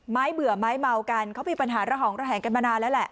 เบื่อไม้เมากันเขามีปัญหาระหองระแหงกันมานานแล้วแหละ